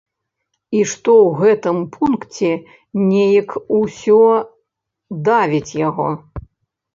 І што ў гэтым пункце нейк усё давіць яго.